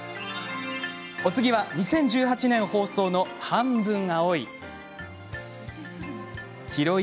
お次は、２０１８年放送の「半分、青い。」から。